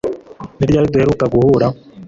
ni ryari duheruka guhura